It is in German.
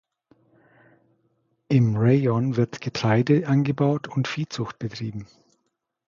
Im Rayon wird Getreide angebaut und Viehzucht betrieben.